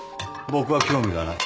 僕は興味がない。